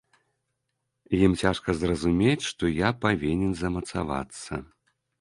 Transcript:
Ім цяжка зразумець, што я павінен замацавацца.